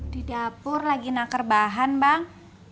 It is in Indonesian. di dapur lagi naker bahan bang